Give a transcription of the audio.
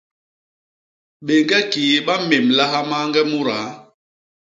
Béñge kii ba mmémlaha mañge mudaa.